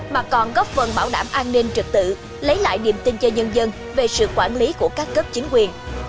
mà còn góp phần bảo đảm an ninh trực tự lấy lại niềm tin cho nhân dân về sự quản lý của các cấp chính quyền